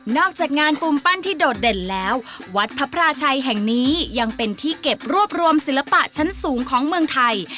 จากงานปูมปั้นที่โดดเด่นแล้ววัดพระพราชัยแห่งนี้ยังเป็นที่เก็บรวบรวมศิลปะชั้นสูงของเมืองไทย